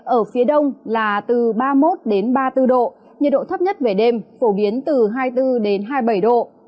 ở phía đông là từ ba mươi một đến ba mươi bốn độ nhiệt độ thấp nhất về đêm phổ biến từ hai mươi bốn hai mươi bảy độ